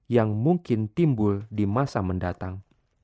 yang mungkin timbul di masa mendatang